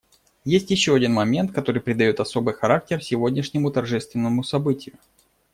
Есть еще один момент, который придает особый характер сегодняшнему торжественному событию.